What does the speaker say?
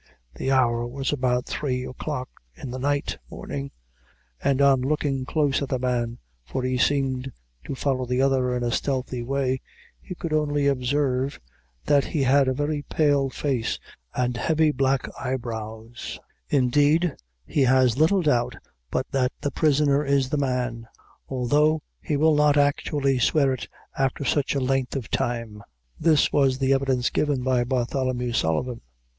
The hour was about three o'clock in the night (morning,) and on looking close at the man, for he seemed to follow the other in a stealthy way, he could only observe that he had a very pale face, and heavy black eyebrows; indeed he has little doubt but that the prisoner is the man, although he will not actually swear it after such a length of time. This was the evidence given by Bartholomew Sullivan.